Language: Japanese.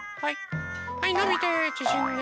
はいのびてちぢんで。